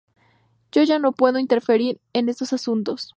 Yo ya no puedo interferir en esos asuntos.